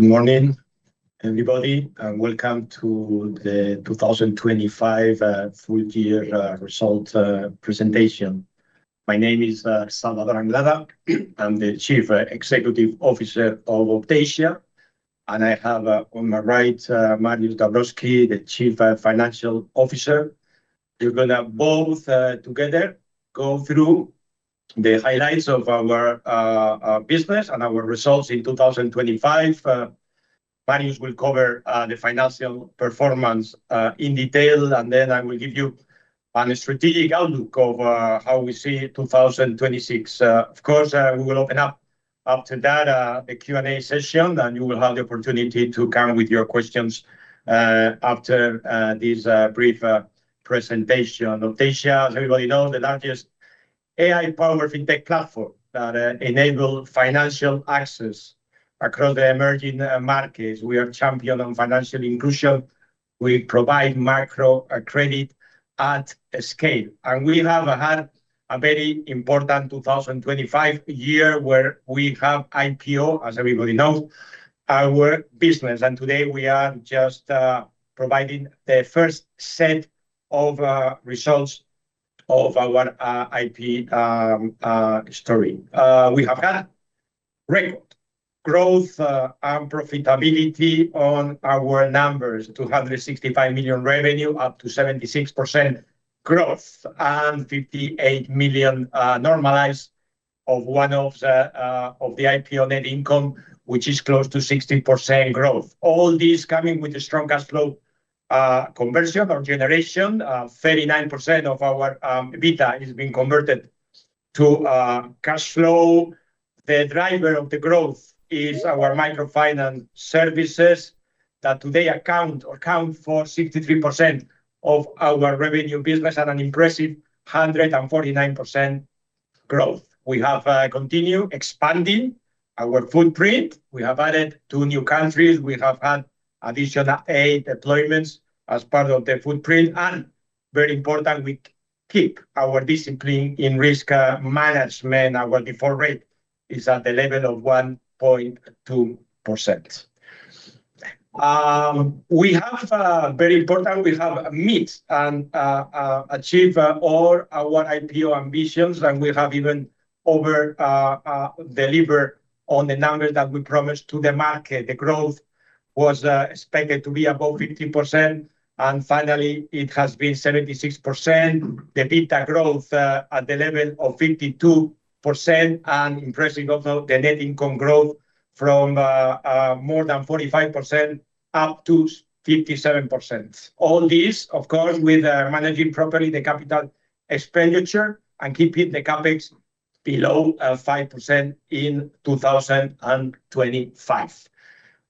Good morning, everybody, and welcome to the 2025 full year result presentation. My name is Salvador Anglada. I'm the Chief Executive Officer of Optasia. I have on my right Mariusz Dabrowski, the Chief Financial Officer. We're gonna both together go through the highlights of our our business and our results in 2025. Mariusz will cover the financial performance in detail, and then I will give you a strategic outlook of how we see 2026. Of course, we will open up after that the Q&A session, and you will have the opportunity to come with your questions after this brief presentation. Optasia, as everybody knows, the largest AI-powered fintech platform that enable financial access across the emerging markets. We are champion on financial inclusion. We provide micro credit at scale. We have had a very important 2025 year, where we have IPO, as everybody knows, our business. Today, we are just providing the first set of results of our IPO story. We have had record growth and profitability on our numbers, $265 million revenue, up 76% growth and $58 million normalized IPO net income, which is close to 60% growth. All this coming with a strong cash flow conversion or generation. 39% of our EBITDA is being converted to cash flow. The driver of the growth is our microfinance services that today account for 63% of our revenue business at an impressive 149% growth. We have continued expanding our footprint. We have added two new countries. We have had additional eight deployments as part of the footprint. Very important, we keep our discipline in risk management. Our default rate is at the level of 1.2%. Very important, we have met and achieved all our IPO ambitions, and we have even overdelivered on the numbers that we promised to the market. The growth was expected to be above 50%, and finally it has been 76%. The EBITDA growth at the level of 52%. Impressive also, the net income growth from more than 45% up to 57%. All this, of course, with managing properly the capital expenditure and keeping the CapEx below 5% in 2025.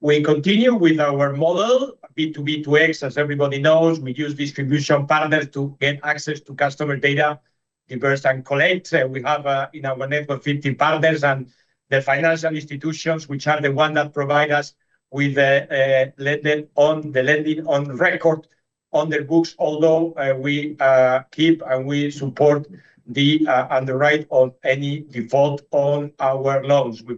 We continue with our model B2B2X. As everybody knows, we use distribution partners to gain access to customer data, disburse and collect. We have in our network 50 partners and the financial institutions, which are the one that provide us with the lending on record on their books. Although we keep and we support the underwriting of any default on our loans. We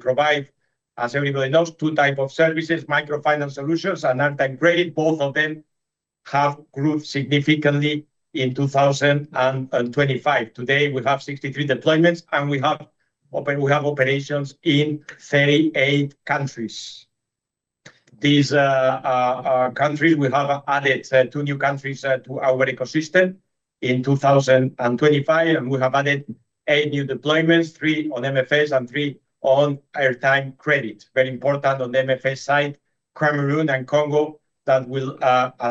provide, as everybody knows, two type of services, microfinance solutions and airtime credit. Both of them have grown significantly in 2025. Today, we have 63 deployments, and we have operations in 38 countries. These are countries, we have added two new countries to our ecosystem in 2025, and we have added eight new deployments, three on MFS and three on airtime credit. Very important on the MFS side, Cameroon and Congo, that will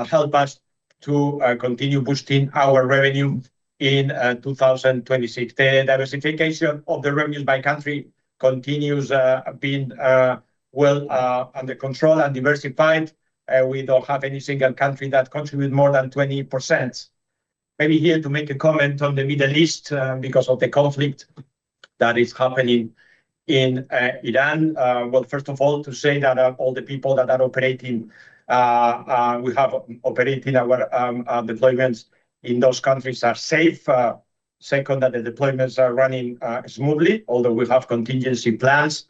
help us to continue boosting our revenue in 2026. The diversification of the revenues by country continues being well under control and diversified. We don't have any single country that contribute more than 20%. Maybe here to make a comment on the Middle East because of the conflict that is happening in Iran. Well, first of all, to say that all the people that are operating our deployments in those countries are safe. Second, that the deployments are running smoothly, although we have contingency plans.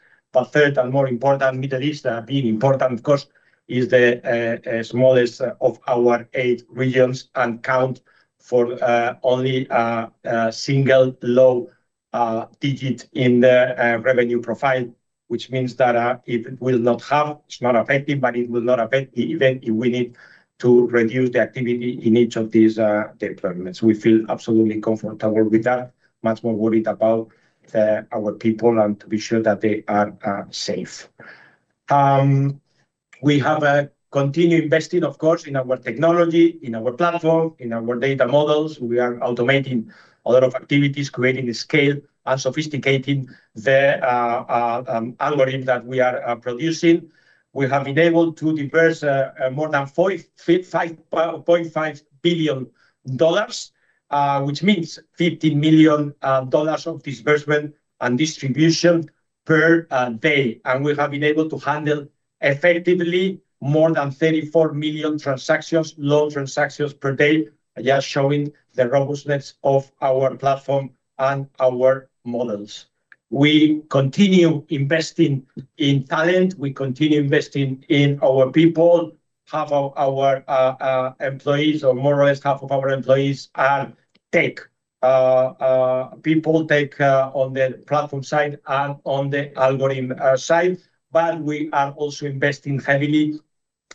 Third, and more important, Middle East being important, of course, is the smallest of our eight regions and counts for only a single low digit in the revenue profile, which means that it's not affected, but it will not affect even if we need to reduce the activity in each of these deployments. We feel absolutely comfortable with that. Much more worried about our people and to be sure that they are safe. We have continued investing, of course, in our technology, in our platform, in our data models. We are automating a lot of activities, creating the scale and sophisticating the algorithm that we are producing. We have been able to disburse more than $5.5 billion, which means $50 million of disbursement and distribution per day. We have been able to handle effectively more than 34 million transactions, loan transactions per day, just showing the robustness of our platform and our models. We continue investing in talent. We continue investing in our people. Half of our employees, or more or less half of our employees are tech people, tech on the platform side and on the algorithm side. We are also investing heavily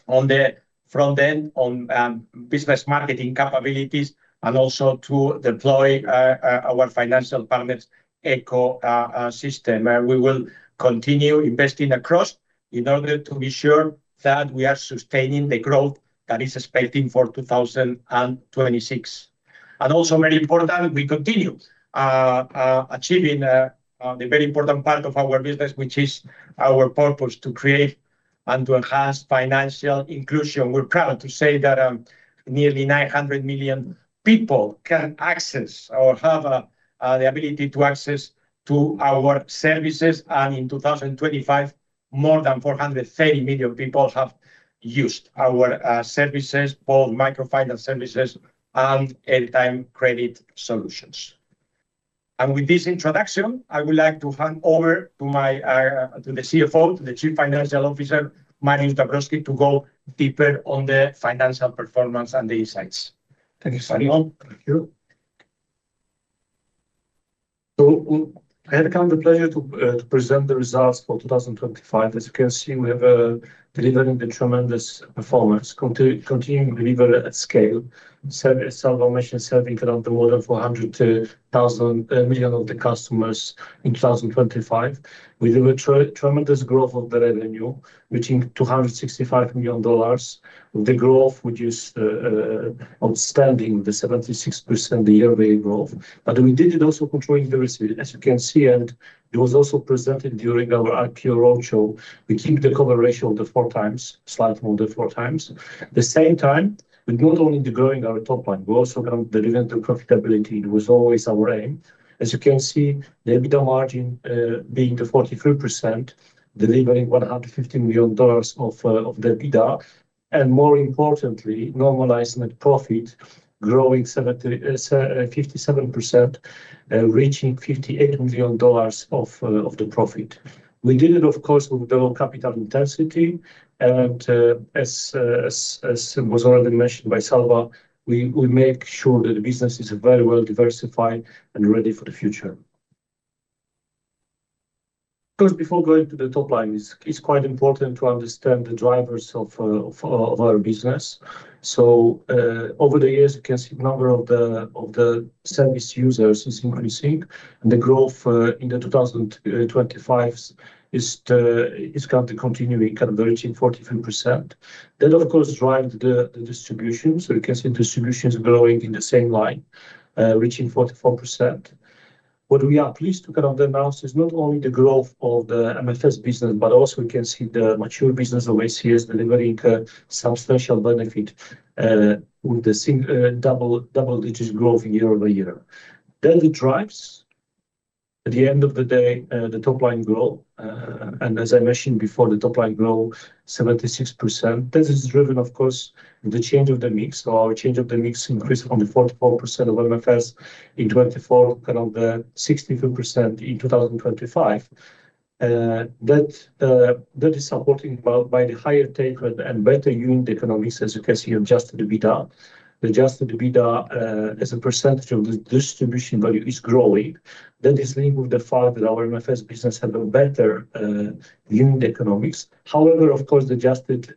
on the front end on business marketing capabilities, and also to deploy our financial partners' ecosystem. We will continue investing across in order to be sure that we are sustaining the growth that is expected for 2026. It is very important that we continue achieving the very important part of our business, which is our purpose to create and to enhance financial inclusion. We're proud to say that nearly 900 million people can access or have the ability to access our services. In 2025, more than 430 million people have used our services, both microfinance services and airtime credit solutions. With this introduction, I would like to hand over to the CFO, the Chief Financial Officer, Mariusz Dabrowski, to go deeper on the financial performance and the insights. Thank you. Carry on. Thank you. I have the pleasure to present the results for 2025. As you can see, we have delivering the tremendous performance, continuing to deliver at scale. Serving our mission serving around the world to hundred to thousand, million of the customers in 2025. We do a tremendous growth of the revenue, reaching $265 million. The growth, which is outstanding, the 76%, the yearly growth. We did it also controlling the risk, as you can see, and it was also presented during our IPO roadshow. We keep the coverage ratio of the 4x, slightly more the 4x. At the same time, we're not only growing our top line, we're also going to deliver the profitability. It was always our aim. As you can see, the EBITDA margin being the 43%, delivering $150 million of the EBITDA, and more importantly, normalized net profit growing 57%, reaching $58 million of the profit. We did it, of course, with the low capital intensity and, as was already mentioned by Salva, we make sure that the business is very well diversified and ready for the future. Of course, before going to the top line, it's quite important to understand the drivers of our business. Over the years, you can see the number of the service users is increasing, and the growth in 2025 is going to continue, kind of reaching 43%. That, of course, drive the distribution. You can see distribution is growing in the same line, reaching 44%. What we are pleased to kind of announce is not only the growth of the MFS business, but also we can see the mature business of ACS delivering substantial benefit with double digits growth year over year. It drives, at the end of the day, the top line growth. As I mentioned before, the top line growth, 76%. This is driven, of course, the change of the mix. Our change of the mix increased from the 44% of MFS in 2024 to around the 62% in 2025. That is supporting by the higher take rate and better unit economics, as you can see, adjusted EBITDA. The adjusted EBITDA as a percentage of the distribution value is growing. That is linked with the fact that our MFS business have a better unit economics. However, of course, the adjusted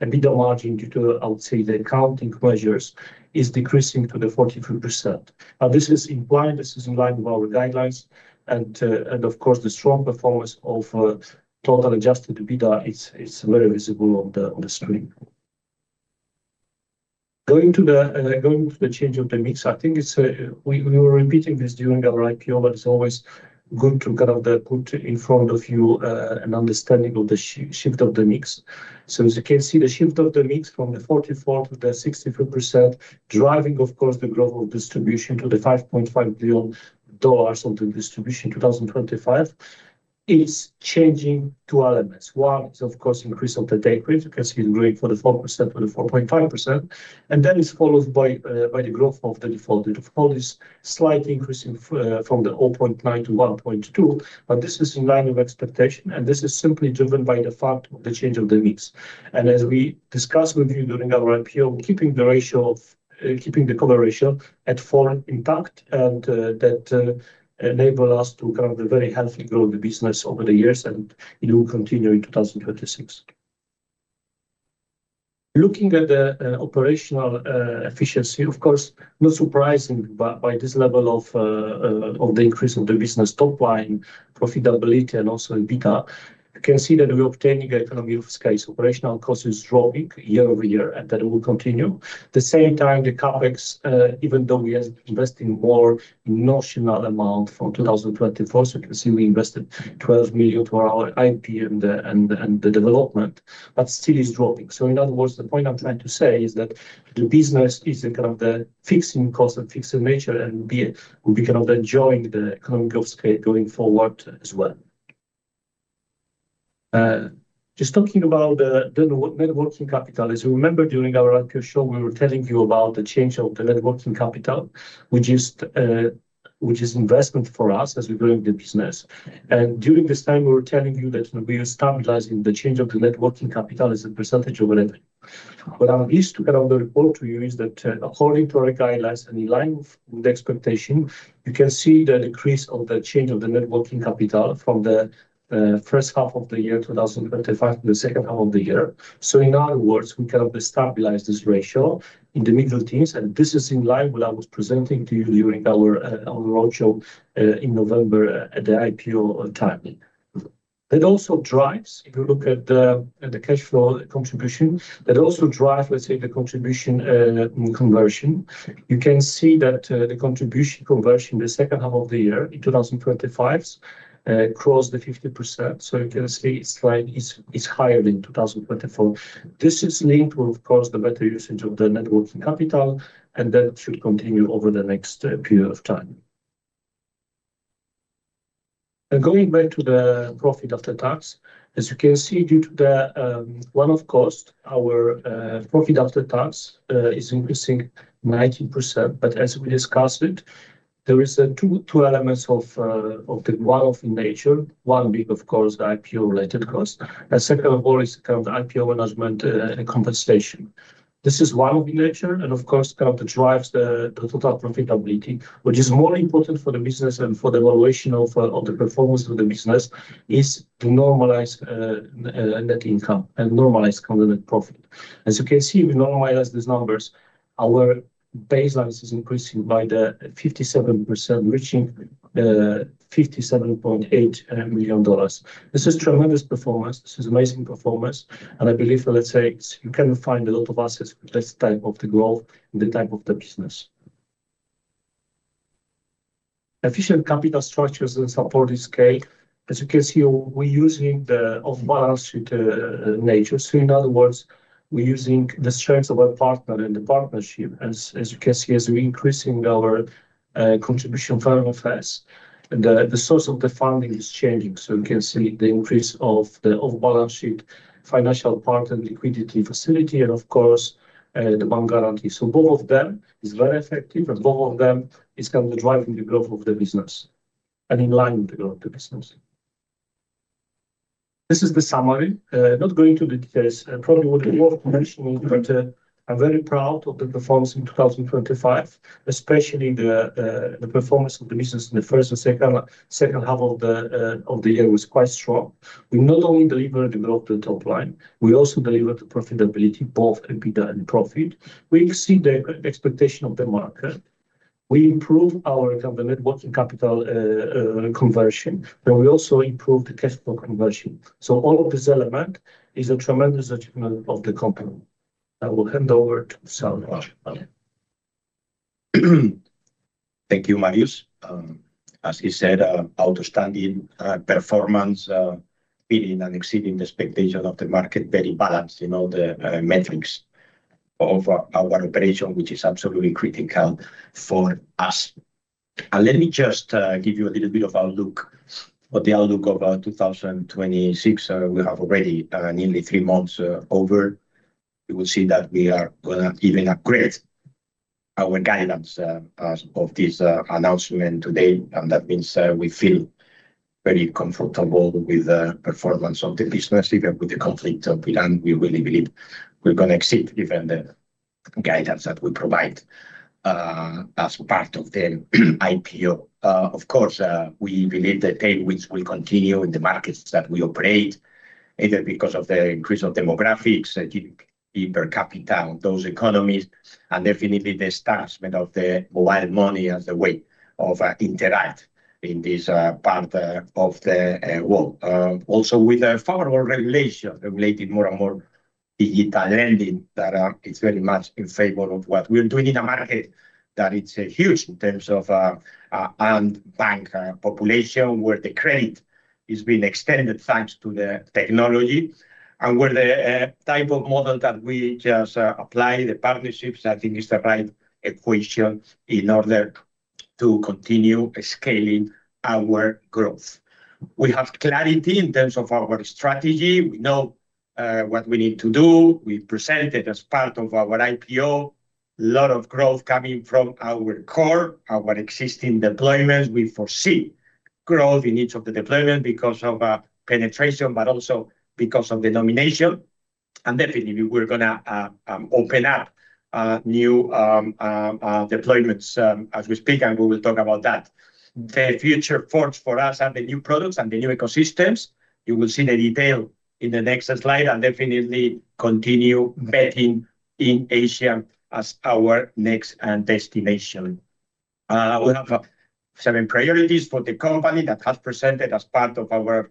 EBITDA margin due to, I would say, the accounting measures is decreasing to the 43%. Now, this is in line with our guidelines and, of course, the strong performance of total adjusted EBITDA, it's very visible on the screen. Going to the change of the mix, I think it's we were repeating this during our IPO, but it's always good to kind of put in front of you an understanding of the shift of the mix. As you can see, the shift of the mix from 44% to 62%, driving, of course, the global distribution to the $5.5 billion of the distribution in 2025. It's changing two elements. One is, of course, increase of the take rate. You can see it growing 4% to 4.5%, and that is followed by the growth of the default. The default is slightly increasing from 0.9% to 1.2%, but this is in line with expectation, and this is simply driven by the fact of the change of the mix. As we discussed with you during our IPO, keeping the ratio of, keeping the coverage ratio at 4 intact, and that enables us to kind of very healthy grow the business over the years, and it will continue in 2026. Looking at the operational efficiency, of course, not surprising by this level of the increase of the business top line profitability and also in EBITDA. You can see that we're obtaining economies of scale. So operational cost is dropping year over year, and that will continue. At the same time, the CapEx, even though we are investing more notional amount for 2024, so you can see we invested $12 million for our IP and the development, but still is dropping. In other words, the point I'm trying to say is that the business is a kind of the fixed cost and fixed nature, and we'll be kind of enjoying the economies of scale going forward as well. Just talking about the net working capital. As you remember during our IPO show, we were telling you about the change of the net working capital. We just, which is investment for us as we're growing the business. During this time, we were telling you that we are stabilizing the change of the net working capital as a percentage of revenue. What I'm pleased to kind of report to you is that, according to our guidelines and in line with the expectation, you can see the decrease of the change of the net working capital from the first half of the year 2025 to the second half of the year. In other words, we kind of stabilize this ratio in the middle teens, and this is in line with what I was presenting to you during our roadshow in November at the IPO time. That also drives, if you look at the cash flow contribution, let's say, the contribution conversion. You can see that the contribution conversion in the second half of the year in 2025 crossed the 50%. You can see it's higher than 2024. This is linked with, of course, the better usage of the Net Working Capital, and that should continue over the next period of time. Going back to the profit after tax. As you can see, due to the one-off cost, our profit after tax is increasing 19%. As we discussed it, there is two elements of the one-off in nature. One being, of course, the IPO related cost, and second of all is kind of the IPO management compensation. This is one-off in nature, and of course, kind of drives the total profitability. Which is more important for the business and for the evaluation of the performance of the business is to normalize net income and normalize kind of net profit. As you can see, we normalize these numbers. Our baseline is increasing by 57%, reaching $57.8 million. This is tremendous performance. This is amazing performance. I believe, let's say, you can find a lot of assets with this type of the growth and the type of the business. Efficient capital structures and support this scale. As you can see, we're using the off-balance sheet nature. In other words, we're using the strengths of our partner in the partnership. As you can see, as we're increasing our contribution from MFS, the source of the funding is changing. We can see the increase of the off-balance sheet, financial partner liquidity facility, and of course, the bank guarantee. Both of them is very effective, and both of them is kind of driving the growth of the business and in line with the growth of the business. This is the summary. Not going into the details. Probably what it worth mentioning, but, I'm very proud of the performance in 2025, especially the performance of the business in the first and second half of the year was quite strong. We not only delivered the growth and top line, we also delivered the profitability, both EBITDA and profit. We exceed the expectation of the market. We improved our kind of net working capital conversion, and we also improved the cash flow conversion. All of this element is a tremendous achievement of the company. I will hand over to Salvador. Thank you, Mariusz. As he said, outstanding performance, beating and exceeding the expectation of the market, very balanced in all the metrics of our operation, which is absolutely critical for us. Let me just give you a little bit of the outlook of 2026. We have already nearly three months over. You will see that we are gonna even upgrade our guidance as of this announcement today. That means we feel very comfortable with the performance of the business, even with the conflict of Iran. We really believe we're gonna exceed even the guidance that we provide as part of the IPO. Of course, we believe the tailwinds will continue in the markets that we operate, either because of the increase of demographics in per capita of those economies, and definitely the establishment of the mobile money as a way of interacting in this part of the world. Also with favorable regulations regulating more and more digital lending that is very much in favor of what we're doing in a market that it's huge in terms of unbanked population, where the credit is being extended thanks to the technology and where the type of model that we just apply, the partnerships, I think is the right equation in order to continue scaling our growth. We have clarity in terms of our strategy. We know what we need to do. We presented as part of our IPO, lot of growth coming from our core, our existing deployments. We foresee growth in each of the deployments because of penetration, but also because of the innovation. Definitely, we're gonna open up new deployments as we speak, and we will talk about that. The future paths for us are the new products and the new ecosystems. You will see the details in the next slide, and definitely continue betting in Asia as our next destination. We have seven priorities for the company that we presented as part of our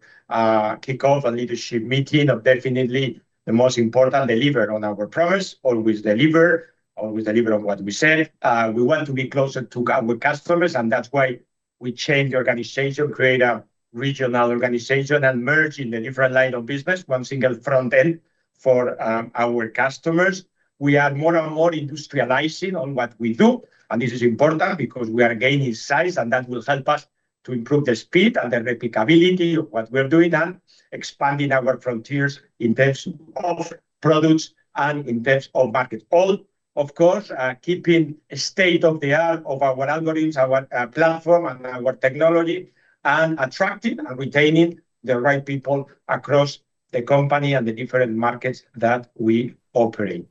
kickoff and leadership meeting. Definitely the most important deliver on our promise. Always deliver. Always deliver on what we said. We want to be closer to our customers, and that's why we change the organization, create a regional organization, and merge in the different line of business, one single front end for our customers. We are more and more industrializing on what we do, and this is important because we are gaining size, and that will help us to improve the speed and the replicability of what we're doing, and expanding our frontiers in terms of products and in terms of market. All, of course, keeping state-of-the-art of our algorithms, our platform, and our technology, and attracting and retaining the right people across the company and the different markets that we operate.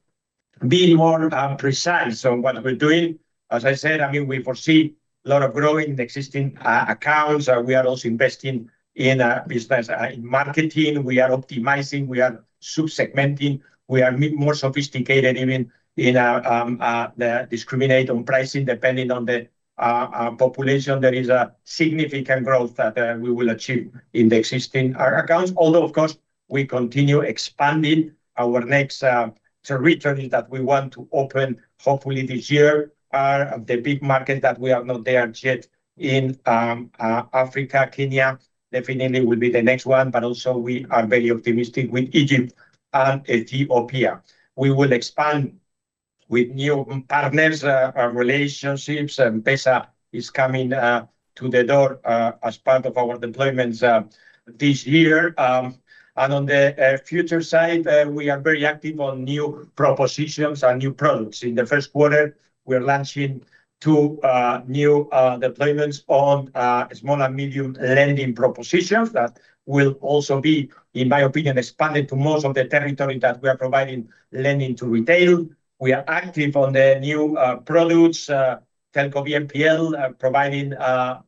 Being more precise on what we're doing, as I said, I mean, we foresee a lot of growing existing accounts. We are also investing in business in marketing. We are optimizing. We are sub-segmenting. We are more sophisticated, even in our discriminating on pricing depending on the population. There is a significant growth that we will achieve in the existing accounts. Although, of course, we continue expanding our next territory that we want to open hopefully this year, is the big market that we are not there yet in Africa. Kenya definitely will be the next one, but also we are very optimistic with Egypt and Ethiopia. We will expand with new partners, relationships, and M-PESA is coming to the door as part of our deployments this year. On the future side, we are very active on new propositions and new products. In the first quarter, we're launching two new deployments on small and medium lending propositions that will also be, in my opinion, expanded to most of the territory that we are providing lending to retail. We are active on the new products telco BNPL providing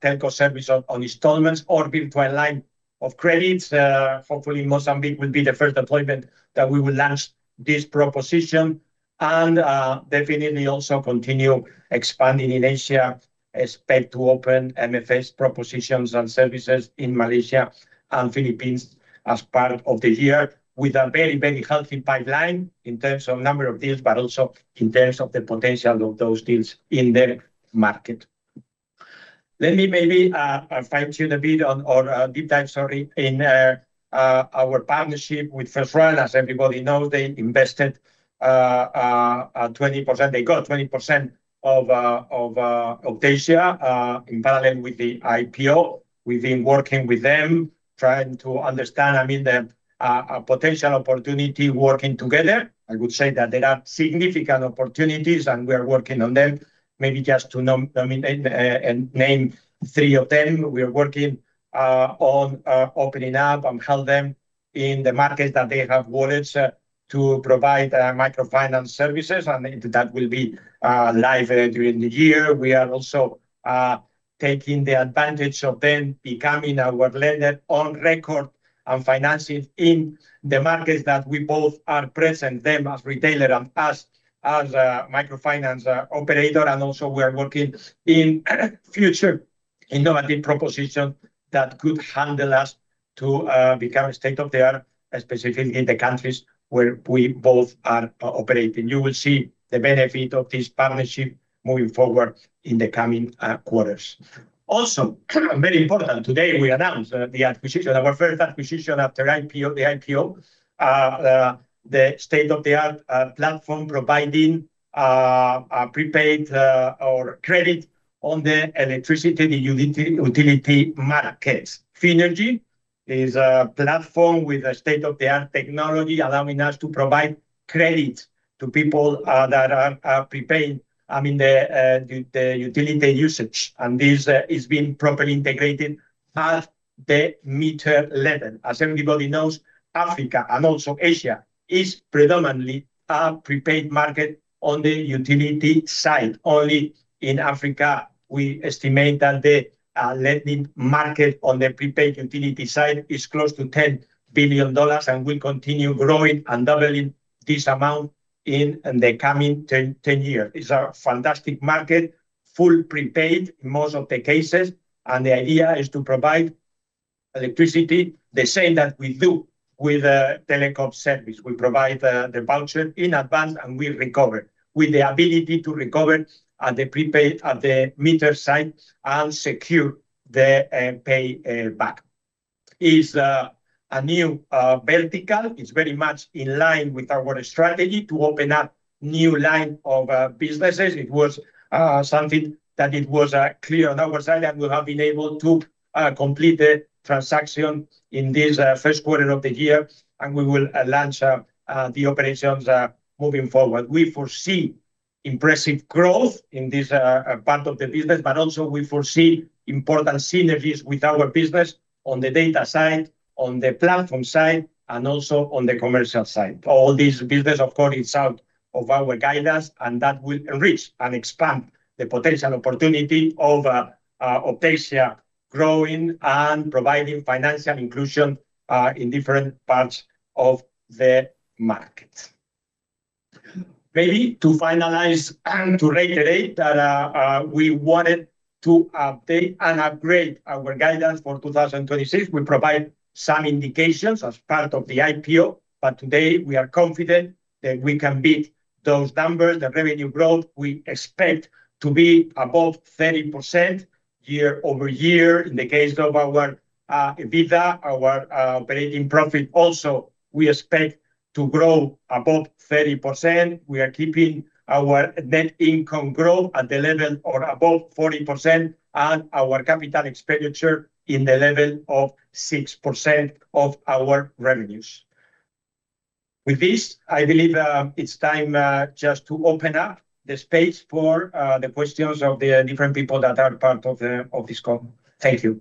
telco service on installments or bill to a line of credit. Hopefully Mozambique will be the first deployment that we will launch this proposition and definitely also continue expanding in Asia. Expect to open MFS propositions and services in Malaysia and Philippines as part of the year with a very, very healthy pipeline in terms of number of deals, but also in terms of the potential of those deals in the market. Let me maybe fine-tune a bit or deep dive, sorry, in our partnership with FirstRand. As everybody knows, they invested 20%. They got 20% of Optasia in parallel with the IPO. We've been working with them, trying to understand, I mean, the potential opportunity working together. I would say that there are significant opportunities, and we are working on them. Maybe just to nominate and name three of them, we are working on opening up and helping them in the markets that they have wallets to provide microfinance services, and that will be live during the year. We are also taking advantage of them becoming our lender on record and financing in the markets that we both are present, them as retailer and us as a microfinance operator. We are working in future innovative proposition that could handle us to become state-of-the-art, especially in the countries where we both are operating. You will see the benefit of this partnership moving forward in the coming quarters. Also, very important, today we announced the acquisition, our first acquisition after IPO, the state-of-the-art platform providing prepaid or credit on the electricity, the utility markets. Finergi is a platform with a state-of-the-art technology, allowing us to provide credit to people that are prepaid, I mean, the utility usage, and this is being properly integrated at the meter level. As everybody knows, Africa and also Asia is predominantly a prepaid market on the utility side. Only in Africa, we estimate that the lending market on the prepaid utility side is close to $10 billion and will continue growing and doubling this amount in the coming 10 years. It's a fantastic market, full prepaid in most of the cases, and the idea is to provide electricity the same that we do with a telecom service. We provide the voucher in advance, and we recover with the ability to recover at the prepaid, at the meter site and secure the pay back. It's a new vertical. It's very much in line with our strategy to open up new line of businesses. It was something that was clear on our side, and we have been able to complete the transaction in this first quarter of the year, and we will launch the operations moving forward. We foresee impressive growth in this part of the business, but also we foresee important synergies with our business on the data side, on the platform side, and also on the commercial side. All this business, of course, is out of our guidance, and that will enrich and expand the potential opportunity of Optasia growing and providing financial inclusion in different parts of the market. Maybe to finalize and to reiterate that, we wanted to update and upgrade our guidance for 2026. We provide some indications as part of the IPO. Today, we are confident that we can beat those numbers. The revenue growth, we expect to be above 30% year-over-year. In the case of our EBITDA, our operating profit also, we expect to grow above 30%, we are keeping our net income growth at the level or above 40% and our capital expenditure in the level of 6% of our revenues. With this, I believe, it's time just to open up the space for the questions of the different people that are part of this call. Thank you.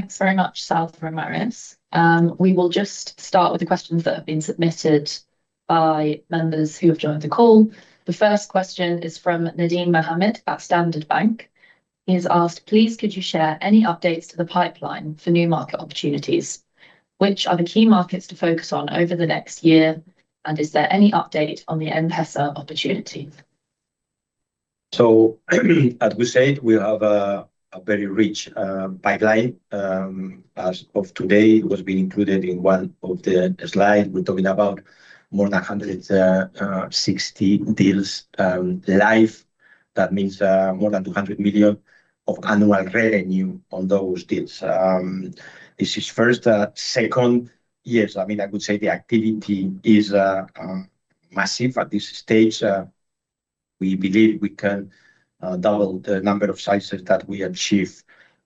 Thanks very much, Salvador and Mariusz. We will just start with the questions that have been submitted by members who have joined the call. The first question is from Nadim Mohamed at Standard Bank. He's asked: Please, could you share any updates to the pipeline for new market opportunities? Which are the key markets to focus on over the next year, and is there any update on the M-PESA opportunity? As we said, we have a very rich pipeline. As of today, it was being included in one of the slides. We're talking about more than 160 deals live. That means more than $200 million of annual revenue on those deals. This is first. Second, yes, I mean, the activity is massive at this stage. We believe we can double the number of sites that we achieved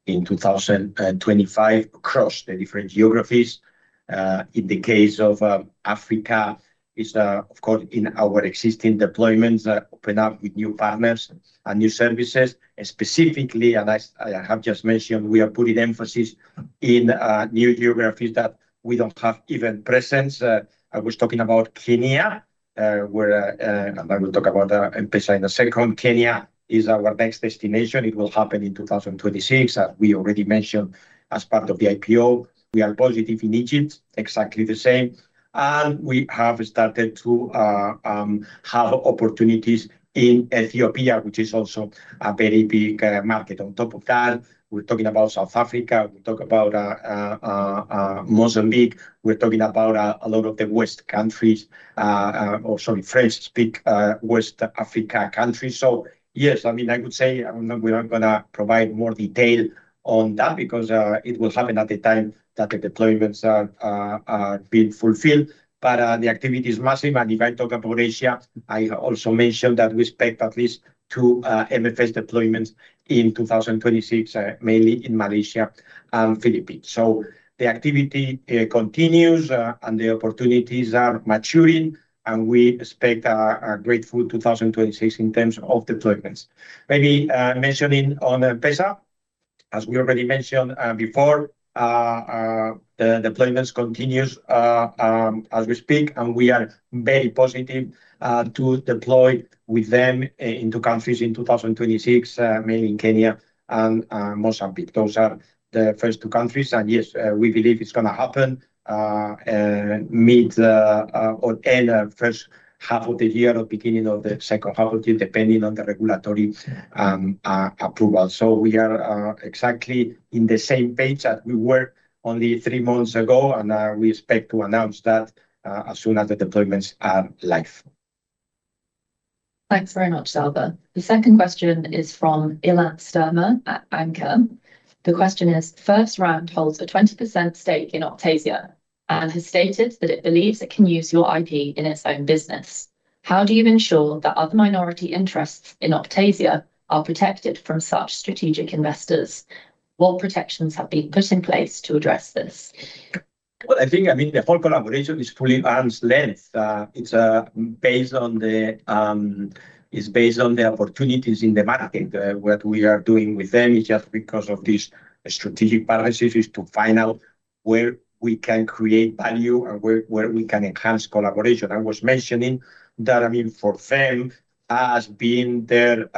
in 2025 across the different geographies. In the case of Africa, it's of course in our existing deployments open up with new partners and new services. Specifically, as I have just mentioned, we are putting emphasis in new geographies that we don't have even presence. I was talking about Kenya, and I will talk about M-PESA in a second. Kenya is our next destination. It will happen in 2026, as we already mentioned as part of the IPO. We are positive in Egypt, exactly the same. We have started to have opportunities in Ethiopia, which is also a very big market. On top of that, we're talking about South Africa. We talk about Mozambique. We're talking about a lot of the West countries or sorry, French-speaking West Africa countries. Yes, I mean, I could say, I mean, we are gonna provide more detail on that because it will happen at the time that the deployments are being fulfilled. The activity is massive. If I talk about Asia, I also mentioned that we expect at least two MFS deployments in 2026, mainly in Malaysia and Philippines. The activity continues, and the opportunities are maturing, and we expect a great 2026 in terms of deployments. Maybe mentioning on M-PESA, as we already mentioned before, the deployments continue as we speak, and we are very positive to deploy with them in two countries in 2026, mainly in Kenya and Mozambique. Those are the first two countries. Yes, we believe it's gonna happen mid or end of first half of the year or beginning of the second half of the year, depending on the regulatory approval. We are exactly on the same page as we were only three months ago, and we expect to announce that as soon as the deployments are live. Thanks very much, Salva. The second question is from Ilan Stermer at Anchor. The question is: FirstRand holds a 20% stake in Optasia and has stated that it believes it can use your IP in its own business. How do you ensure that other minority interests in Optasia are protected from such strategic investors? What protections have been put in place to address this? Well, I think, I mean, the whole collaboration is fully arm's length. It's based on the opportunities in the market. What we are doing with them is just because of this strategic partnership is to find out where we can create value and where we can enhance collaboration. I was mentioning that, I mean, for them, as being their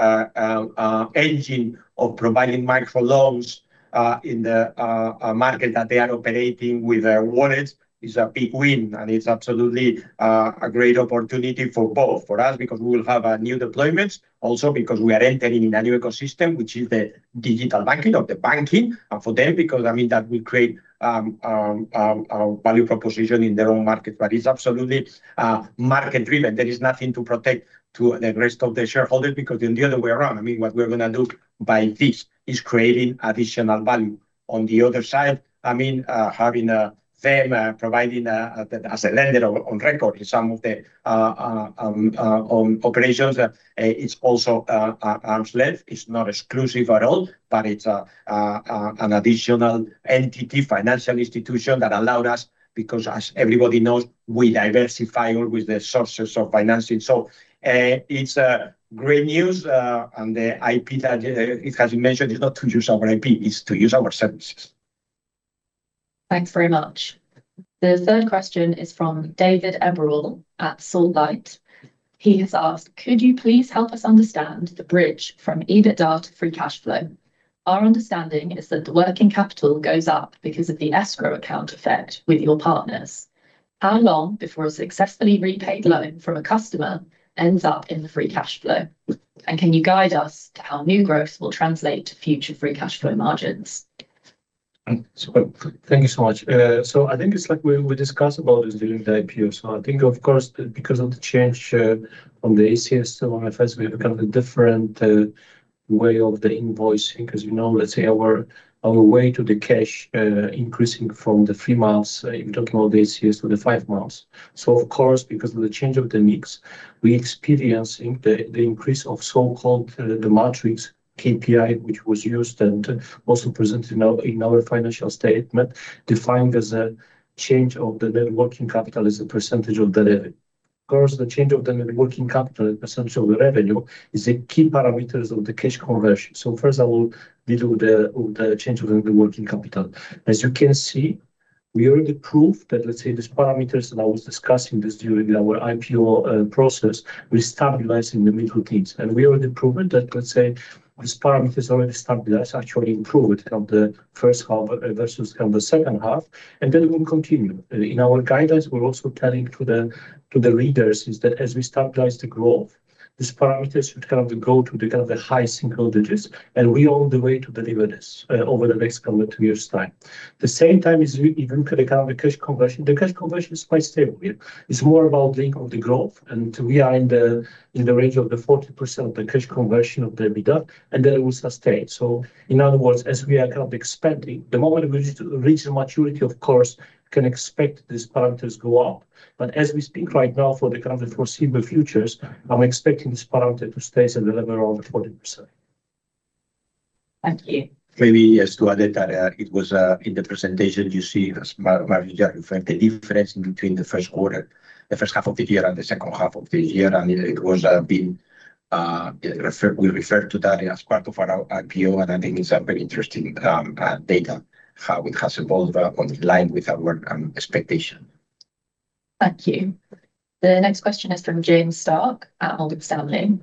engine of providing micro loans in the market that they are operating with their wallets is a big win. It's absolutely a great opportunity for both. For us, because we will have new deployments, also because we are entering in a new ecosystem, which is the digital banking of the banking. For them, because, I mean, that will create value proposition in their own market, but it's absolutely market-driven. There is nothing to prejudice the rest of the shareholders because then the other way around, I mean, what we're gonna do by this is creating additional value. On the other side, I mean, having them providing as a lender on record in some of the operations, it's also arm's length. It's not exclusive at all, but it's an additional entity, financial institution that allowed us, because as everybody knows, we diversify always the sources of financing. It's great news, and the IP that it has been mentioned is not to use our IP, it's to use our services. Thanks very much. The third question is from David Eborall at SaltLight. He has asked: Could you please help us understand the bridge from EBITDA to free cash flow? Our understanding is that the working capital goes up because of the escrow account effect with your partners. How long before a successfully repaid loan from a customer ends up in the free cash flow? And can you guide us to how new growth will translate to future free cash flow margins? Thank you so much. I think it's like we discussed about this during the IPO. I think of course because of the change on the ACS to MFS, we have a kind of a different way of the invoicing because, you know, let's say our way to the cash increasing from the three months, if you don't know the ACS, to the five months. Of course, because of the change of the mix, we experiencing the increase of so-called the metrics KPI, which was used and also presented now in our financial statement, defined as a change of the net working capital as a percentage of the revenue. Of course, the change of the net working capital in percent of the revenue is a key parameters of the cash conversion. First of all, we do the change within the working capital. As you can see, we already proved that, let's say, these parameters that I was discussing this during our IPO process, we're stabilizing the middle teens. We already proven that, let's say, these parameters already stabilized, actually improved of the first half versus of the second half, and that it will continue. In our guidance, we're also telling to the readers is that as we stabilize the growth, these parameters should kind of go to the kind of the high single digits, and we know the way to deliver this over the next kind of two years' time. At the same time we even look at the kind of cash conversion. The cash conversion is quite stable. It's more about link of the growth, and we are in the range of the 40% of the cash conversion of the EBITDA, and that it will sustain. In other words, as we are kind of expanding, the moment we reach the maturity, of course can expect these parameters go up. As we speak right now, for the kind of foreseeable futures, I'm expecting this parameter to stay at a level around 40%. Thank you. Maybe just to add that, it was in the presentation you see as Mariusz referred, the difference between the first quarter, the first half of the year and the second half of the year, and we referred to that as part of our IPO, and I think it's a very interesting data, how it has evolved in line with our expectation. Thank you. The next question is from James Starke at Morgan Stanley.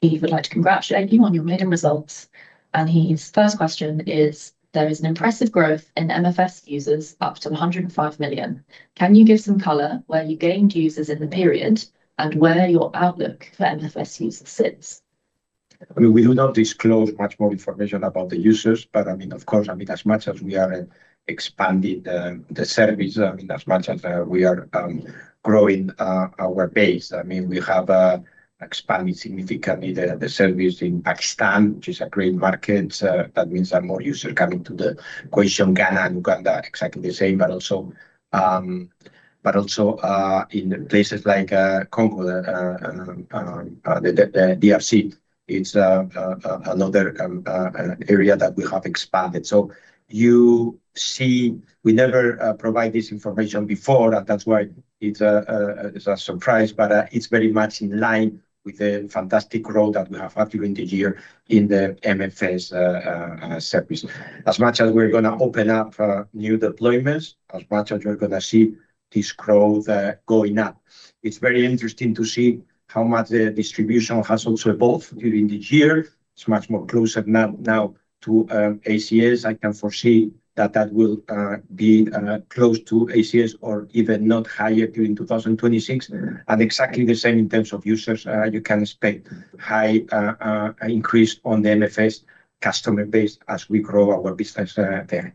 He would like to congratulate you on your maiden results, and his first question is: There is an impressive growth in MFS users up to 105 million. Can you give some color where you gained users in the period and where your outlook for MFS users sits? I mean, we do not disclose much more information about the users, but I mean, of course, I mean, as much as we are expanding the service, I mean, as much as we are growing our base. I mean, we have expanded significantly the service in Pakistan, which is a great market. That means that more users coming to the equation. Ghana and Uganda, exactly the same, but also in places like Congo, the DRC. It's another area that we have expanded. You see we never provide this information before. That's why it's a surprise, but it's very much in line with the fantastic growth that we have had during the year in the MFS service. As much as we're gonna open up new deployments, as much as we're gonna see this growth going up. It's very interesting to see how much the distribution has also evolved during the year. It's much more closer now to ACS. I can foresee that will be close to ACS or even higher during 2026. Exactly the same in terms of users. You can expect high increase on the MFS customer base as we grow our business there.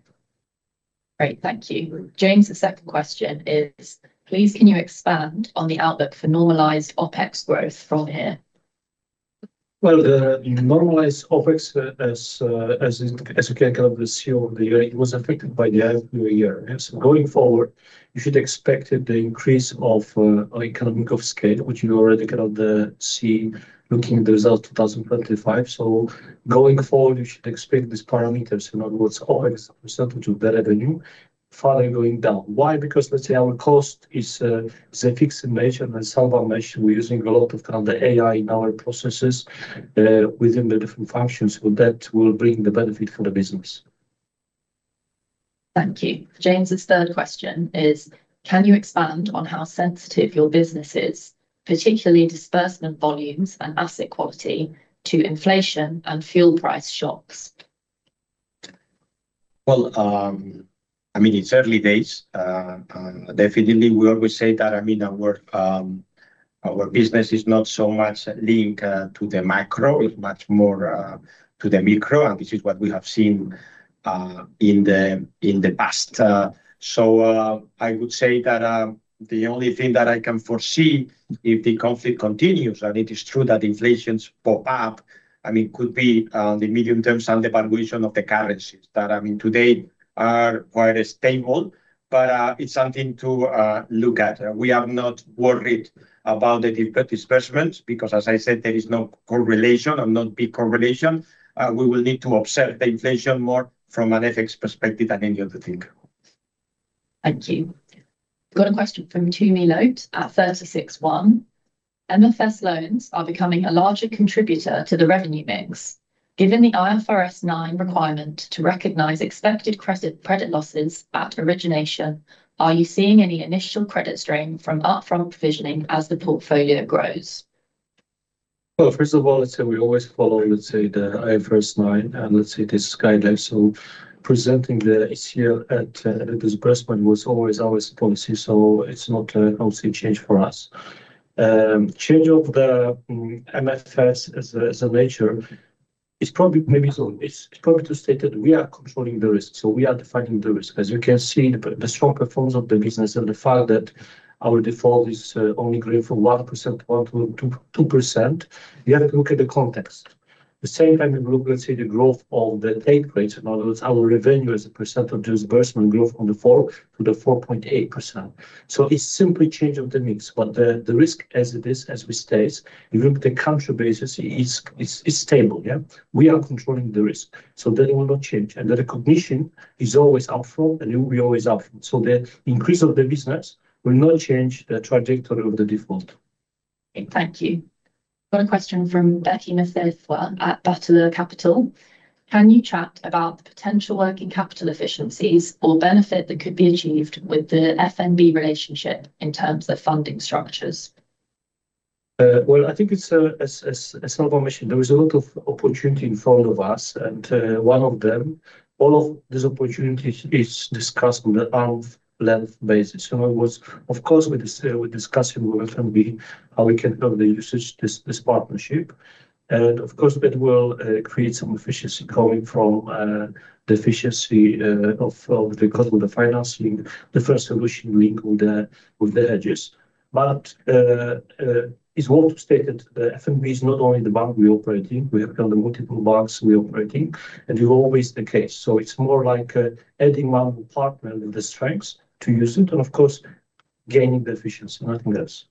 Great. Thank you. James' second question is, please can you expand on the outlook for normalized OpEx growth from here? Well, the normalized OpEx, as you can kind of see over the year, it was affected by the IPO year. Going forward, you should expect the increase of, on economic of scale, which you already kind of see looking at the results of 2025. Going forward, you should expect these parameters, in other words, OpEx percentage of the revenue further going down. Why? Because let's say our cost is a fixed measure, and as Salvador mentioned, we're using a lot of kind of the AI in our processes within the different functions. That will bring the benefit for the business. Thank you. James' third question is, can you expand on how sensitive your business is, particularly disbursement volumes and asset quality, to inflation and fuel price shocks? Well, I mean, it's early days. Definitely we always say that, I mean, our business is not so much linked to the macro. It's much more to the micro, and this is what we have seen in the past. I would say that the only thing that I can foresee if the conflict continues, and it is true that inflation pops up, I mean, could be the medium term and the valuation of the currencies that, I mean, today are quite stable. It's something to look at. We are not worried about the impact disbursements because, as I said, there is no correlation or not big correlation. We will need to observe the inflation more from an FX perspective than any other thing. Thank you. Got a question from Tumi Loate at 36ONE. MFS loans are becoming a larger contributor to the revenue mix. Given the IFRS 9 requirement to recognize expected credit losses at origination, are you seeing any initial credit strain from upfront provisioning as the portfolio grows? Well, first of all, let's say we always follow, let's say, the IFRS 9 and, let's say, this guideline. Presenting the issue at disbursement was always our policy, it's not obviously a change for us. Change in the nature of the MFS is probably, maybe so. It's important to state that we are controlling the risk, we are defining the risk. As you can see the strong performance of the business and the fact that our default is only growing from 1% to 2%. You have to look at the context. At the same time, if you look, let's say the growth of the take rates. In other words, our revenue as a percent of disbursement growth from 4% to 4.8%. It's simply change of the mix. The risk as it is, as we state, if you look at the country basis, it's stable. Yeah? We are controlling the risk, so that will not change. The recognition is always upfront, and we always upfront. The increase of the business will not change the trajectory of the default. Thank you. Got a question from Bheki Mthethwa at Bateleur Capital. Can you chat about the potential working capital efficiencies or benefit that could be achieved with the FNB relationship in terms of funding structures? Well, I think it's, as Salva mentioned, there is a lot of opportunity in front of us. One of them, all of these opportunities is discussed on the arm's length basis. It was of course with discussing with FNB how we can build the usage, this partnership. Of course, that will create some efficiency coming from the efficiency of the cost of the financing, the first solution link with the hedges. It's worth to state that the FNB is not only the bank we're operating. We have other multiple banks we're operating, and that's always the case. It's more like adding one partner with the strengths to use it and of course gaining the efficiency. Nothing else.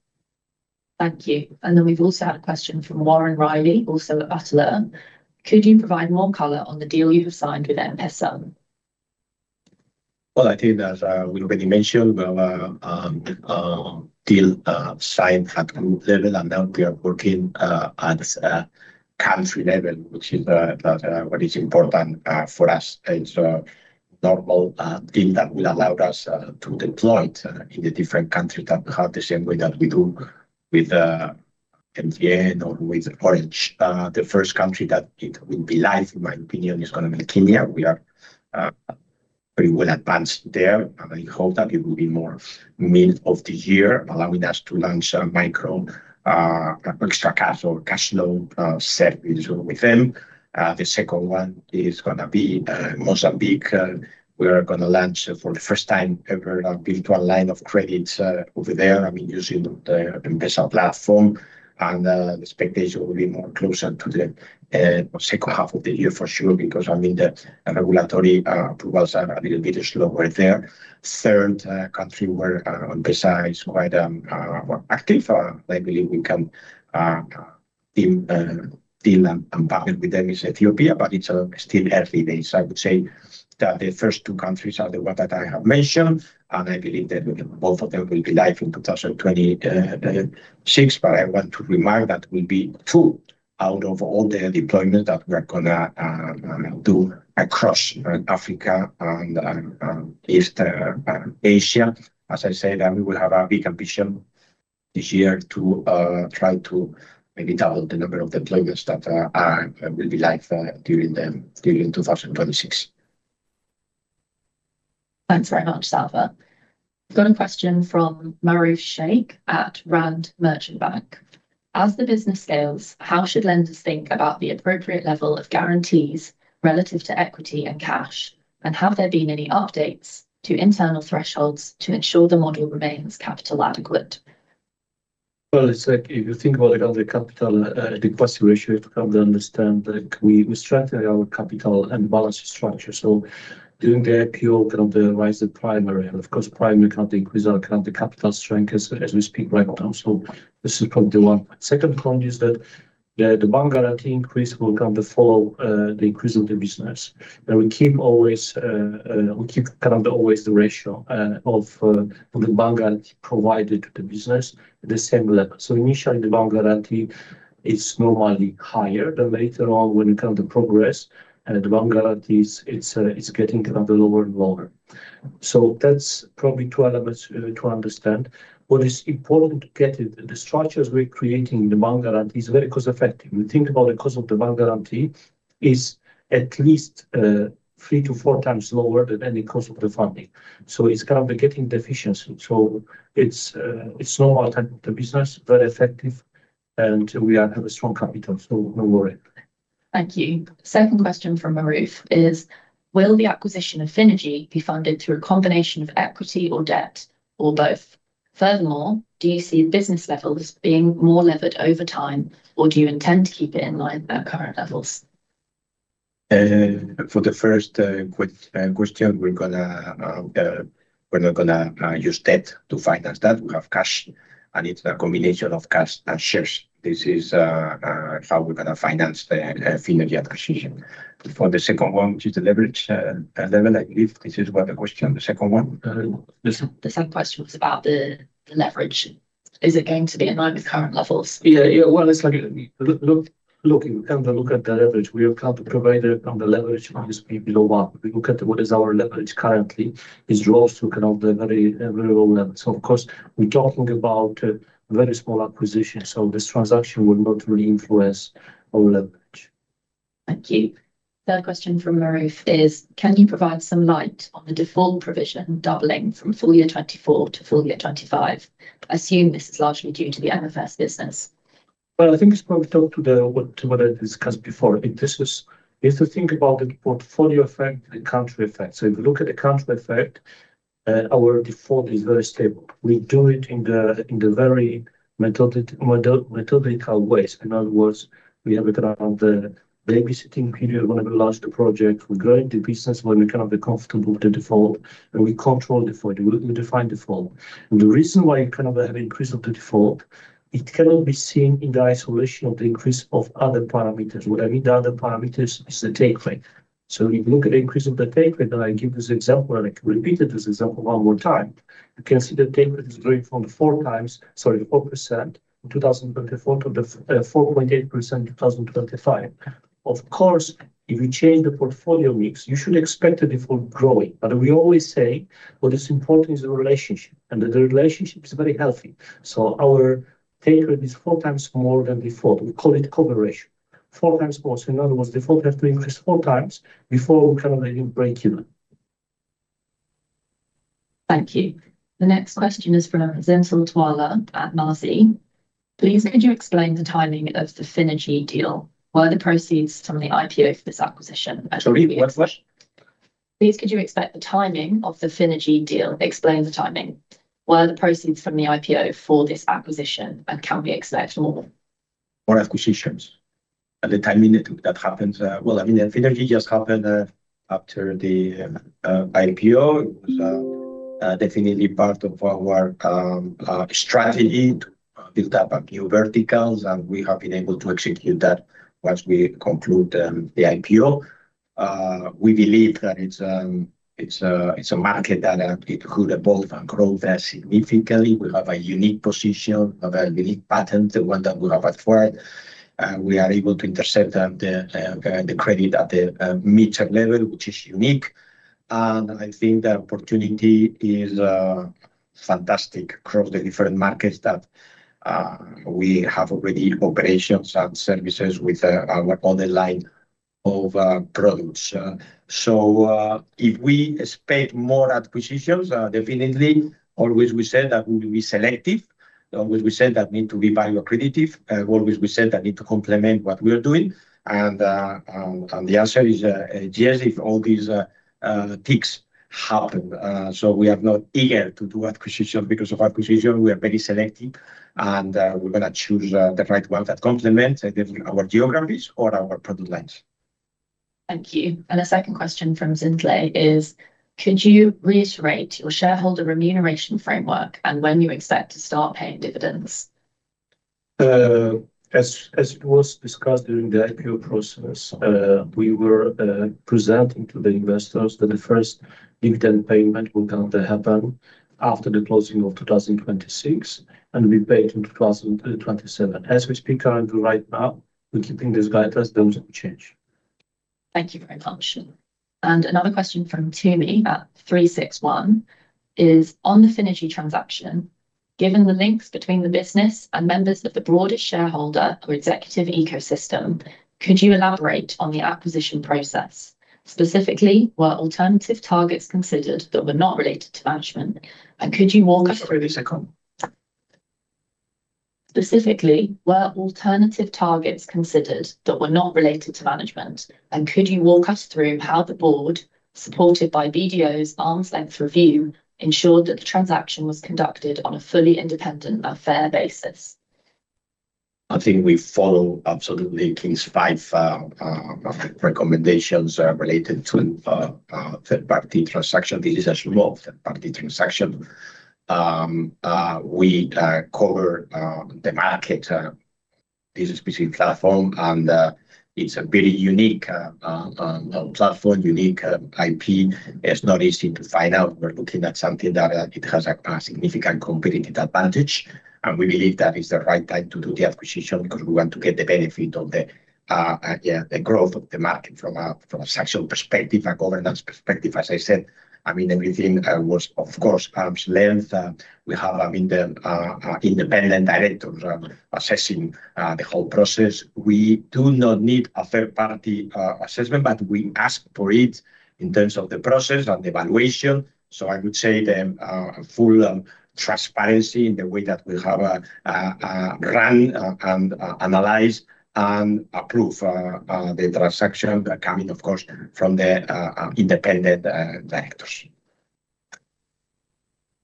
Thank you. We've also had a question from Warren Riley, also Bateleur. Could you provide more color on the deal you have signed with M-PESA? Well, I think as we already mentioned, we have a deal signed at group level, and now we are working at country level, which is what is important for us. It's a normal deal that will allow us to deploy it in the different countries that have the same way that we do with MTN or with Orange. The first country that it will be live, in my opinion, is gonna be Kenya. We are pretty well advanced there, and I hope that it will be by mid of the year, allowing us to launch a micro extra cash or cash loan service with them. The second one is gonna be Mozambique. We are gonna launch for the first time ever a virtual line of credits over there. I mean, using the M-PESA platform, and the expectation will be more closer to the second half of the year for sure because I mean the regulatory approvals are a little bit slower there. Third country where M-PESA is quite active I believe we can deal and partner with them is Ethiopia, but it's still early days. I would say that the first two countries are the one that I have mentioned, and I believe that both of them will be live in 2026. I want to remind that will be two out of all the deployment that we are gonna do across Africa and East Asia. As I said, we will have a big ambition this year to try to maybe double the number of deployments that will be live during 2026. Thanks very much, Salva. Got a question from Maruf Sheikh at Rand Merchant Bank. As the business scales, how should lenders think about the appropriate level of guarantees relative to equity and cash? And have there been any updates to internal thresholds to ensure the model remains capital adequate? Well, it's like if you think about it, on the capital adequacy ratio, you have to come to understand that we strengthen our capital and balance structure. During the IPO, kind of the raise of primary, and of course, primary can't increase our current capital strength as we speak right now. This is probably one. Second point is that the bank guarantee increase will come to follow the increase of the business. We keep kind of always the ratio for the bank guarantee provided to the business at the same level. Initially, the bank guarantee is normally higher, then later on when it come to progress and the bank guarantees, it's getting kind of lower and lower. That's probably two elements to understand. What is important to get it, the structures we're creating in the bank guarantee is very cost-effective. We think about the cost of the bank guarantee is at least three to four times lower than any cost of the funding. It's gonna be getting the efficiency. It's normal type of business, very effective, and we are have a strong capital, so no worry. Thank you. Second question from Maruf is: Will the acquisition of Finergi be funded through a combination of equity or debt or both? Furthermore, do you see the leverage levels being more levered over time, or do you intend to keep it in line at current levels? For the first question, we're not gonna use debt to finance that. We have cash, and it's a combination of cash and shares. This is how we're gonna finance the Finergi acquisition. For the second one, which is the leverage level, I believe this is what the question, the second one. Yes. The second question was about the leverage. Is it going to be in line with current levels? Well, it's like, look at the leverage. We have to keep the leverage below 1. We look at what is our leverage currently. It's also kind of at the very low level. Of course, we're talking about a very small acquisition. This transaction would not really influence our leverage. Thank you. Third question from Maruf is: Can you provide some light on the default provision doubling from full year 2024 to full year 2025? Assume this is largely due to the MFS business. Well, I think it's what I discussed before. I think this is, if you think about the portfolio effect, the country effect. If you look at the country effect, our default is very stable. We do it in the very methodical ways. In other words, we have it around the babysitting period when we launch the project. We grow the business when we cannot be comfortable with the default, and we control default. We define default. The reason why you kind of have increase of the default, it cannot be seen in the isolation of the increase of other parameters. What I mean the other parameters is the take rate. If you look at the increase of the take rate, and I give this example, and I can repeat it this example one more time. You can see the take rate is growing from the 4% in 2024 to the 4.8% in 2025. Of course, if you change the portfolio mix, you should expect the default rate growing. We always say what is important is the relationship, and the relationship is very healthy. Our take rate is 4x more than before. We call it coverage ratio. 4x more, so in other words, default rate has to increase 4x before we can break even. Thank you. The next question is from Zintle Twala at Mazi. Please could you explain the timing of the Finergi deal? Were the proceeds from the IPO for this acquisition and can we- Sorry, what question? Please could you explain the timing of the Finergi deal? Explain the timing. Were the proceeds from the IPO for this acquisition, and can we expect more? More acquisitions. At the time that happened, well, I mean, Finergi just happened after the IPO. It was definitely part of our strategy to build up a new verticals, and we have been able to execute that once we conclude the IPO. We believe that it's a market that it could evolve and grow very significantly. We have a unique position, a very unique patent, the one that we have acquired, and we are able to intercept the credit at the mid-term level, which is unique. I think the opportunity is fantastic across the different markets that we have already operations and services with our other line of products. If we expect more acquisitions, definitely always we said that we'll be selective. Always we said that need to be value accretive. Always we said that need to complement what we are doing. The answer is yes, if all these ticks happen. We are not eager to do acquisition because of acquisition. We are very selective, and we're gonna choose the right one that complements either our geographies or our product lines. Thank you. A second question from Zintle is: Could you reiterate your shareholder remuneration framework and when you expect to start paying dividends? As it was discussed during the IPO process, we were presenting to the investors that the first dividend payment will come to happen after the closing of 2026, and will be paid in 2027. As we speak currently right now, we're keeping this guidance. It doesn't change. Thank you very much. Another question from Tumi at 36ONE is: On the Finergi transaction, given the links between the business and members of the broader shareholder or executive ecosystem, could you elaborate on the acquisition process? Specifically, were alternative targets considered that were not related to management, and could you walk us through- Sorry, repeat the second one. Specifically, were alternative targets considered that were not related to management, and could you walk us through how the board, supported by BDO's arm's-length review, ensured that the transaction was conducted on a fully independent and fair basis? I think we follow absolutely King IV recommendations related to third-party transaction. This is a small third-party transaction. We cover the market this specific platform, and it's a very unique platform, unique IP. It's not easy to find out. We're looking at something that it has a significant competitive advantage. We believe that it's the right time to do the acquisition because we want to get the benefit of the growth of the market from a sectoral perspective, a governance perspective. As I said, I mean, everything was of course arm's length. We have, I mean, the independent directors assessing the whole process. We do not need a third-party assessment, but we ask for it in terms of the process and the valuation. I would say the full transparency in the way that we have run and analyze and approve the transaction coming, of course, from the independent directors.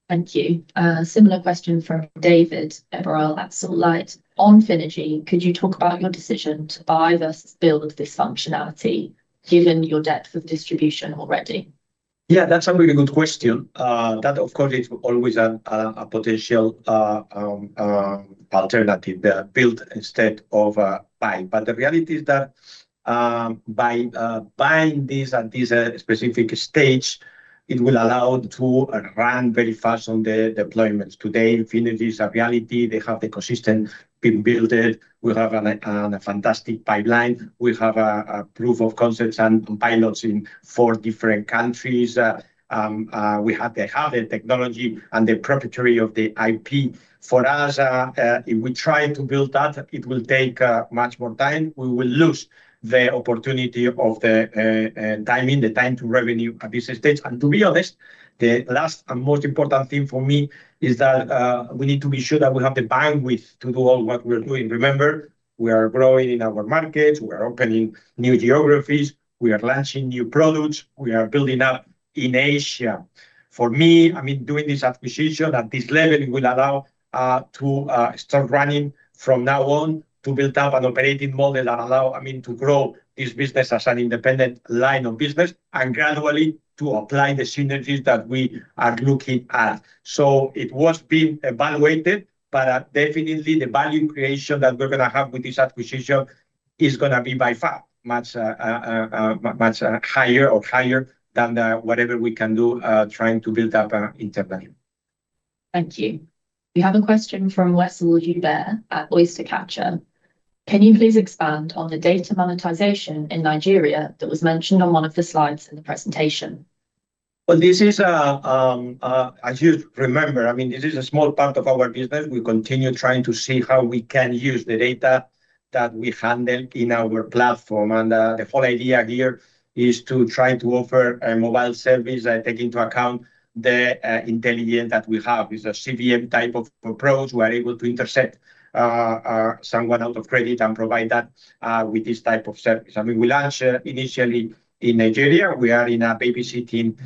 Thank you. Similar question from David Eborall at SaltLight. On Finergi, could you talk about your decision to buy versus build this functionality given your depth of distribution already? Yeah, that's a really good question. That of course is always a potential alternative, the build instead of buy. The reality is that by buying this at this specific stage, it will allow to run very fast on the deployments. Today, Finergi is a reality. They have the ecosystem being built. We have a fantastic pipeline. We have a proof of concepts and pilots in four different countries. We have the technology and the proprietary of the IP. For us, if we try to build that, it will take much more time. We will lose the opportunity of the timing, the time to revenue at this stage. To be honest, the last and most important thing for me is that we need to be sure that we have the bandwidth to do all what we're doing. Remember, we are growing in our markets. We are opening new geographies. We are launching new products. We are building up in Asia. For me, I mean, doing this acquisition at this level will allow to start running from now on to build up an operating model and allow, I mean, to grow this business as an independent line of business and gradually to apply the synergies that we are looking at. It was being evaluated, but definitely the value creation that we're gonna have with this acquisition is gonna be by far much higher than whatever we can do trying to build up our interbank. Thank you. We have a question from Wessel Joubert at OysterCatcher. Can you please expand on the data monetization in Nigeria that was mentioned on one of the slides in the presentation? Well, this is, as you remember, I mean, this is a small part of our business. We continue trying to see how we can use the data that we handle in our platform. The whole idea here is to try to offer a mobile service that take into account the intelligence that we have. It's a CVM type of approach. We are able to intercept someone out of credit and provide that with this type of service. I mean, we launched initially in Nigeria. We are in a babysitting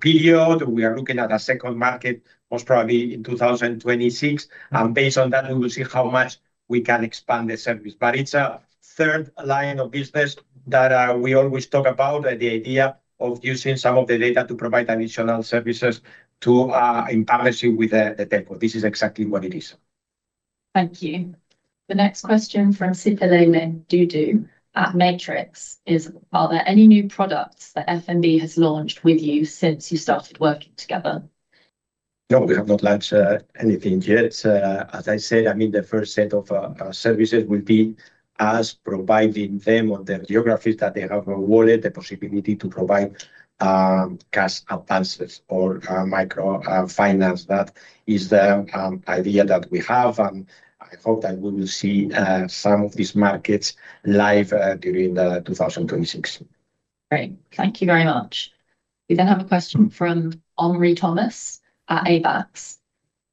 period. We are looking at a second market most probably in 2026. Based on that, we will see how much we can expand the service. It's a third line of business that we always talk about, the idea of using some of the data to provide additional services to in partnership with the telco. This is exactly what it is. Thank you. The next question from Siphelele Mdudu at Matrix is: Are there any new products that FNB has launched with you since you started working together? No, we have not launched anything yet. As I said, I mean, the first set of services will be us providing them on the geographies that they have awarded the possibility to provide cash advances or micro finance. That is the idea that we have, and I hope that we will see some of these markets live during 2026. Great. Thank you very much. We have a question from Omri Thomas at Abax.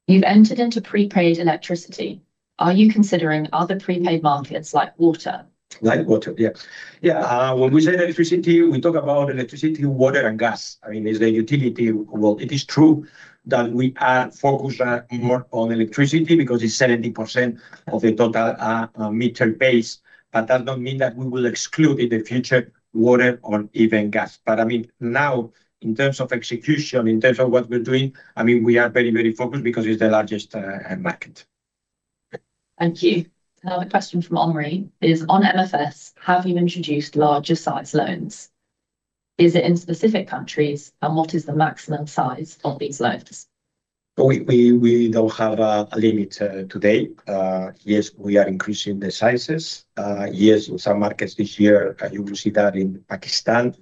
You've entered into prepaid electricity. Are you considering other prepaid markets like water? Like water, yeah. Yeah, when we say electricity, we talk about electricity, water and gas. I mean, it's the utility. Well, it is true that we are focused more on electricity because it's 70% of the total meter base. That don't mean that we will exclude in the future water or even gas. I mean, now, in terms of execution, in terms of what we're doing, I mean, we are very, very focused because it's the largest market. Thank you. Another question from Omri is on MFS, have you introduced larger size loans? Is it in specific countries, and what is the maximum size of these loans? We don't have a limit today. Yes, we are increasing the sizes. Yes, in some markets this year, you will see that in Pakistan.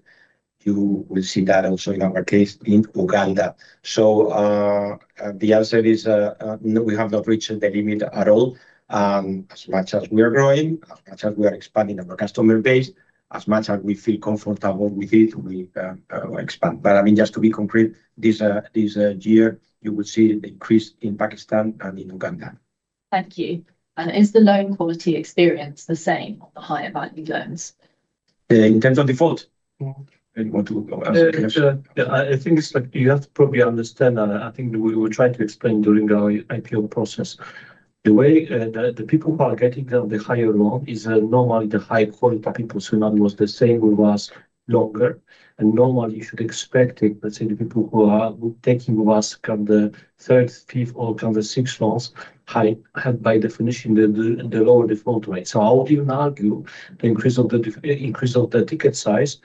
You will see that also in our case in Uganda. The answer is no, we have not reached the limit at all. As much as we are growing, as much as we are expanding our customer base, as much as we feel comfortable with it, we expand. I mean, just to be complete, this year you will see the increase in Pakistan and in Uganda. Thank you. Is the loan quality experience the same on the higher value loans? In terms of default? Do you want to answer the question? Yeah, I think it's like you have to probably understand that. I think we were trying to explain during our IPO process. The way, the people who are getting the higher loan is normally the high quality people. So in other words, the same who was longer. Normally you should expect it, let's say the people who are taking with us kind of the third, fifth or kind of sixth loans have by definition the lower default rate. I would even argue the increase of the ticket size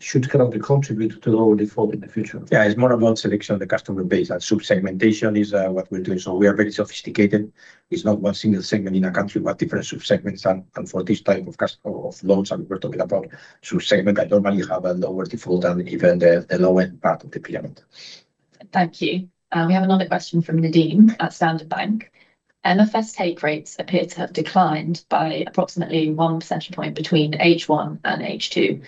should kind of contribute to lower default in the future. Yeah, it's more about selection of the customer base. That sub-segmentation is what we're doing. We are very sophisticated. It's not one single segment in a country but different sub-segments. For this type of loans that we're talking about, subsegment that normally have a lower default than even the lower part of the pyramid. Thank you. We have another question from Nadim at Standard Bank. MFS take rates appear to have declined by approximately 1 percentage point between H1 and H2.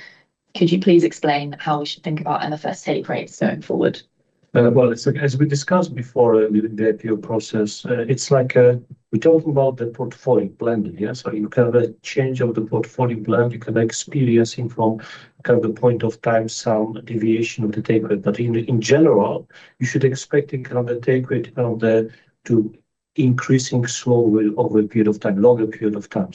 Could you please explain how we should think about MFS take rates going forward? Well, as we discussed before during the IPO process, it's like we talk about the portfolio blend, yeah? You can have a change of the portfolio blend. You can have experience in from kind of the point of time some deviation of the take rate. But in general, you should expect a kind of a take rate, kind of the to increasing slowly over a period of time, longer period of time.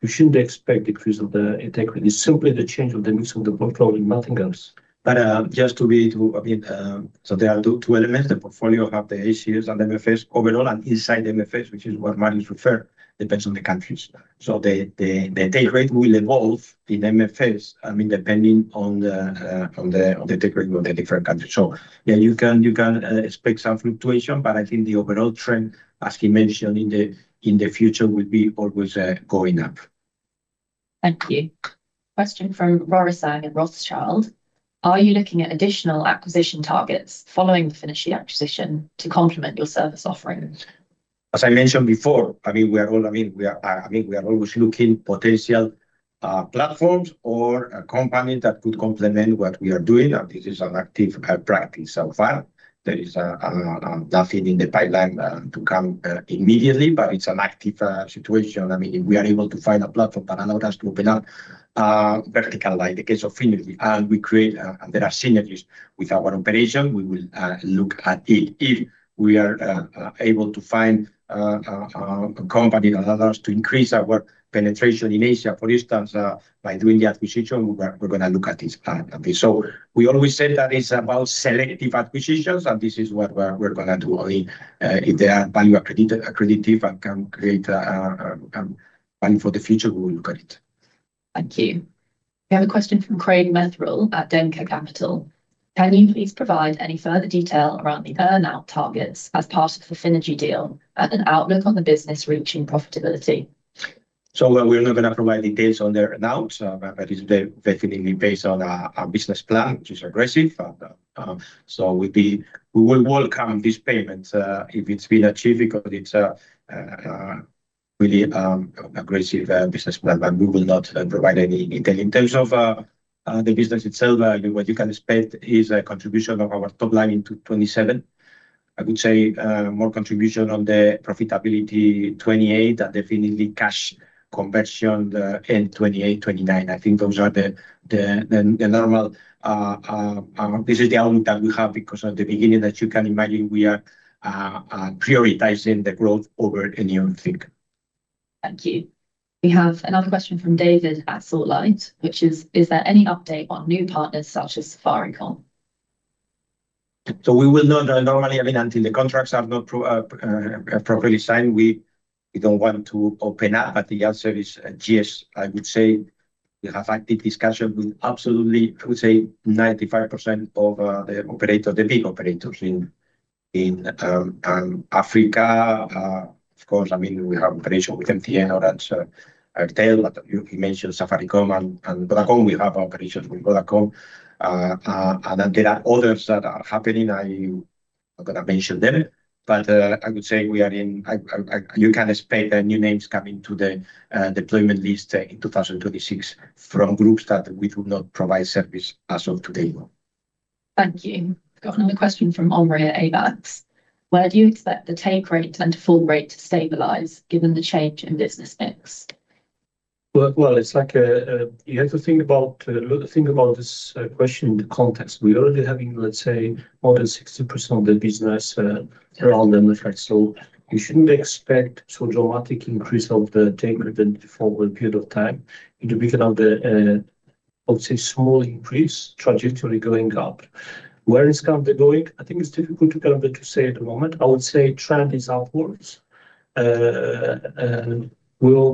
You shouldn't expect decrease of the take rate. It's simply the change of the mix of the portfolio, nothing else. I mean, there are two elements. The portfolio have the issues, and MFS overall and inside MFS, which is what Mariusz referred, depends on the countries. The take rate will evolve in MFS, I mean, depending on the take rate of the different countries. Yeah, you can expect some fluctuation, but I think the overall trend, as he mentioned, in the future will be always going up. Thank you. Question from Rorisang at Rothschild. Are you looking at additional acquisition targets following the Finergi acquisition to complement your service offering? As I mentioned before, we are always looking for potential platforms or a company that could complement what we are doing. This is an active practice so far. There is nothing in the pipeline to come immediately, but it's an active situation. If we are able to find a platform that allows us to open up vertical like in the case of Finergi, and there are synergies with our operation, we will look at it. If we are able to find a company that allows us to increase our penetration in Asia, for instance, by doing the acquisition, we're gonna look at this plan. Okay. We always say that it's about selective acquisitions, and this is what we're gonna do. I mean, if there are value accretive and can create value for the future, we will look at it. Thank you. We have a question from Craig Metherell at Denker Capital. Can you please provide any further detail around the earn-out targets as part of the Finergi deal and an outlook on the business reaching profitability? We're not gonna provide details on the earn-out, but it's definitely based on our business plan, which is aggressive. We will welcome this payment if it's been achieved because it's really aggressive business plan, and we will not provide any intel. In terms of the business itself, what you can expect is a contribution of our top line into 2027. I would say more contribution on the profitability 2028, and definitely cash conversion the end 2028, 2029. I think those are the normal. This is the outlook that we have because at the beginning, as you can imagine, we are prioritizing the growth over any other thing. Thank you. We have another question from David at SaltLight, which is: Is there any update on new partners such as Safaricom? We will not normally I mean, until the contracts are not properly signed, we don't want to open up, but the answer is yes. I would say we have active discussions with absolutely, I would say, 95% of the big operators in Africa. Of course, I mean, we have operations with MTN or Airtel. You mentioned Safaricom and Vodacom. We have operations with Vodacom. And there are others that are happening. I am not gonna mention them. I would say, you can expect the new names coming to the deployment list in 2026 from groups that we do not provide service as of today. Thank you. Got another question from Omri at Abax: Where do you expect the take rate and default rate to stabilize given the change in business mix? Well, it's like a you have to think about this question in the context. We're already having, let's say, more than 60% of the business around them, in fact. You shouldn't expect so dramatic increase of the take rate in forward period of time. In the beginning of the, I would say small increase trajectory going up. Where it's currently going, I think it's difficult to kind of to say at the moment. I would say trend is upwards. We'll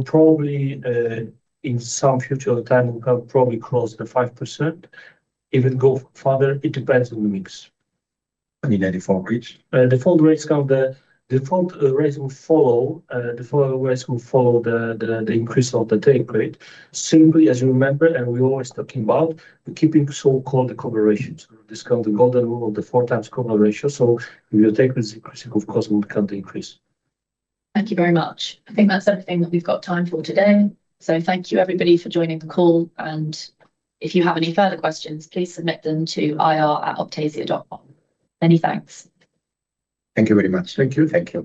probably, in some future time, we can probably cross the 5%, even go further. It depends on the mix. I mean, the default rates. Default rates will follow the increase of the take rate. Simply, as you remember, and we're always talking about, we're keeping the so-called coverage ratio. This is the golden rule of the 4x coverage ratio. If your take rate is increasing, of course, it will come to increase. Thank you very much. I think that's everything that we've got time for today. Thank you everybody for joining the call. If you have any further questions, please submit them to ir@optasia.com. Many thanks. Thank you very much. Thank you. Thank you.